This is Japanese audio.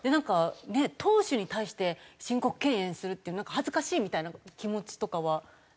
投手に対して申告敬遠するって恥ずかしいみたいな気持ちとかはないんですか？